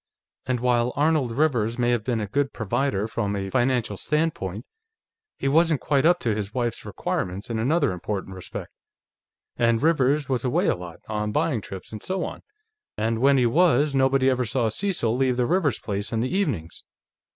And while Arnold Rivers may have been a good provider from a financial standpoint, he wasn't quite up to his wife's requirements in another important respect. And Rivers was away a lot, on buying trips and so on, and when he was, nobody ever saw Cecil leave the Rivers place in the evenings.